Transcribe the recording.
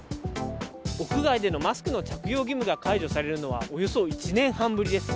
屋外でのマスクの着用義務が解除されるのはおよそ１年半ぶりです。